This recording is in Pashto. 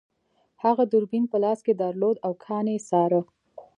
هغه دوربین په لاس کې درلود او کان یې څاره